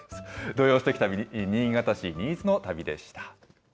土曜すてき旅、新潟市新津の旅でした。